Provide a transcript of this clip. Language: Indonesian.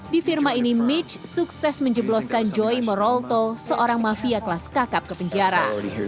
di firma ini mitch sukses menjebloskan joy morolto seorang mafia kelas kakap ke penjara